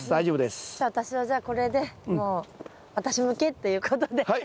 じゃあ私はじゃあこれでもう私向けっていうことで。